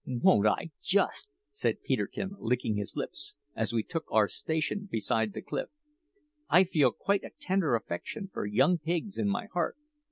"Won't I, just!" said Peterkin, licking his lips, as we took our station beside the cliff. "I feel quite a tender affection for young pigs in my heart.